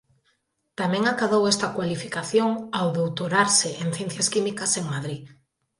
Tamén acadou esta cualificación ao doutorarse en Ciencias Químicas en Madrid.